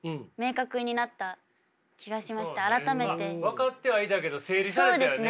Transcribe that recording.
分かってはいたけど整理されたよね。